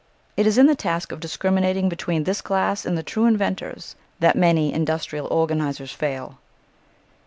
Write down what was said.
It is in the task of discriminating between this class and the true inventors that many industrial organizers fail.